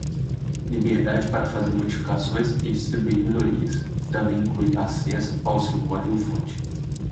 Liberdade para fazer modificações e distribuir melhorias; Também inclui acesso ao seu código-fonte.